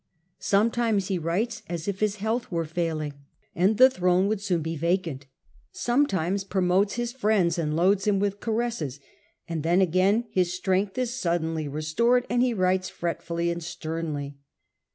Sometimes he writes as if his health was fail His dissimu ing, and the throne would soon be vacant, sometimes promotes his friend and loads him with ca resses, and then again his strength is suddenly restored and he writes fretfully and sternly.